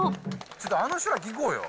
ちょっと、あの人らに聞こうよ。